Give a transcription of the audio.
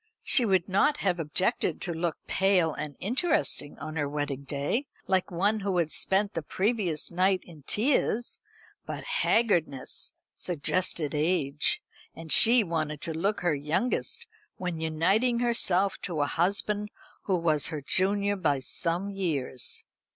She would not have objected to look pale and interesting on her wedding day, like one who had spent the previous night in tears; but haggardness suggested age; and she wanted to look her youngest when uniting herself to a husband who was her junior by some years.